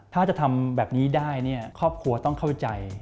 ถ้าจะทำแบบนี้ได้ครอบครัวต้องเข้าใจ